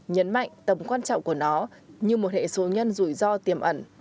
nhấn mạnh tầm quan trọng của nó như một hệ số nhân rủi ro tiềm ẩn